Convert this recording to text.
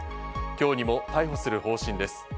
今日にも逮捕する方針です。